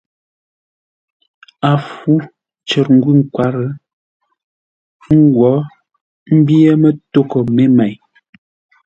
A fû cər ngwʉ̂ ńkwǎr ńgwó ḿbyé mətoghʼə́ mé mêi.